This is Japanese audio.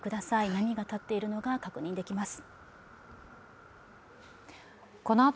波が立っているのが確認できます。